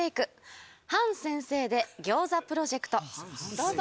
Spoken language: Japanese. どうぞ。・